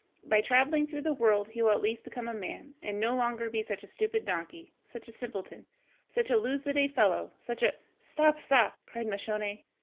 By traveling through the world he will at least become a man, and no longer be such a stupid donkey, such a simpleton, such a lose the day fellow, such a——'" "Stop, stop!" cried Moscione.